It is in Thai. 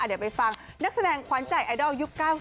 เดี๋ยวไปฟังนักแสดงขวัญใจไอดอลยุค๙๐